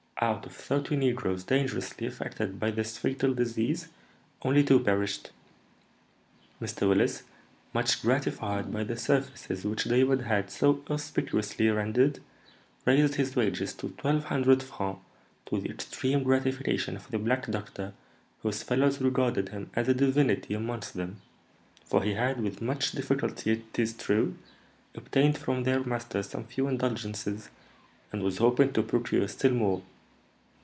Out of thirty negroes dangerously affected by this fatal disease, only two perished. Mr. Willis, much gratified by the services which David had so auspiciously rendered, raised his wages to twelve hundred francs, to the extreme gratification of the black doctor, whose fellows regarded him as a divinity amongst them, for he had, with much difficulty it is true, obtained from their master some few indulgences, and was hoping to procure still more.